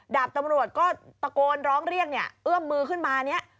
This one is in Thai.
ดาบตำรวจก็ตะโกนร้องเรียกเนี่ยเอื้อมมือขึ้นมาเนี่ย